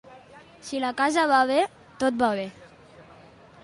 Si la casa va bé, tot va bé.